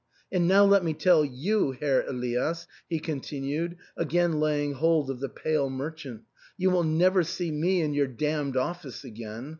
And now let me tell you, Herr Elias," he continued, again laying hold of the pale merchant, " you will never see me in your damned office again.